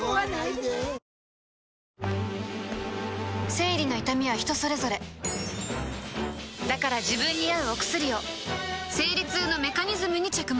生理の痛みは人それぞれだから自分に合うお薬を生理痛のメカニズムに着目